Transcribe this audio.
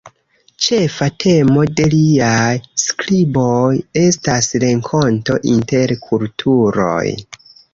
Ĉefa temo de liaj skriboj estas renkonto inter kulturoj.